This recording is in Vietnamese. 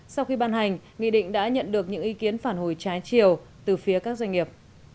sau khi ban hành nghị định đã nhận được những ý kiến phản hồi trái chiều từ phía các doanh nghiệp